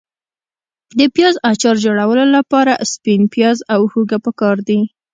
د پیاز اچار جوړولو لپاره سپین پیاز او هوګه پکار دي.